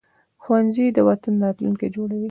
ښوونځی د وطن راتلونکی جوړوي